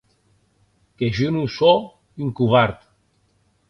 Que jo non sò un covard.